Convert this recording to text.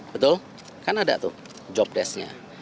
betul kan ada tuh jobdesknya